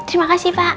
terima kasih pak